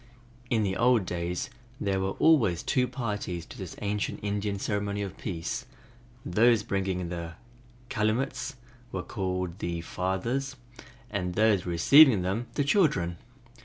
In the old days there were always two parties to this ancient Indian ceremony of peace: those bringing the calumets were called "the fathers" and those receiving them "the children".